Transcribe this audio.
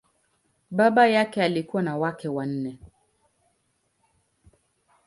Baba yake alikuwa na wake wanne.